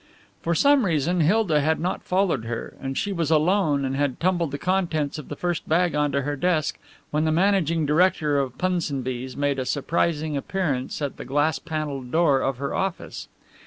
For some reason Hilda had not followed her, and she was alone and had tumbled the contents of the first bag on to her desk when the managing director of Punsonby's made a surprising appearance at the glass panelled door of her office.